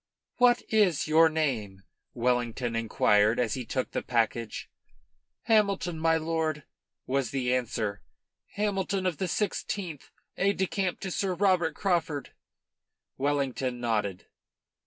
"What is your name?" Wellington inquired, as he took the package. "Hamilton, my lord," was the answer; "Hamilton of the Sixteenth, aide de camp to Sir Robert Craufurd." Wellington nodded.